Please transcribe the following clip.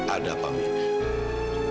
ada apa mim